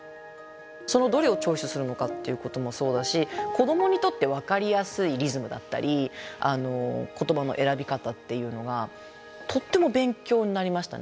そのどれをチョイスするのかっていうこともそうだし子どもにとって分かりやすいリズムだったり言葉の選び方っていうのがとっても勉強になりましたね。